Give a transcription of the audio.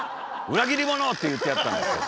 「裏切り者！」って言ってやったんですよ。